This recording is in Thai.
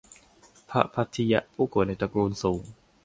พระภัททิยะ ผู้เกิดในตระกูลสูง